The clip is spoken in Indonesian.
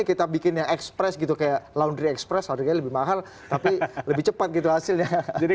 kita bikin yang express gitu kayak laundry express harganya lebih mahal tapi lebih cepat gitu hasilnya jadi